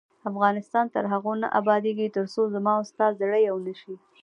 افغانستان تر هغو نه ابادیږي، ترڅو زما او ستا زړه یو نشي.